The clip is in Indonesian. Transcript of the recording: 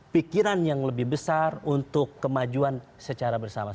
pikiran yang lebih besar untuk kemajuan secara bersama